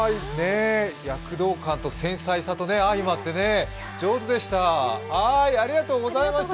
躍動感と繊細さと相まって、上手でした。